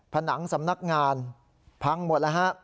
ผนังสำนักงานพังหมดแล้วฮะ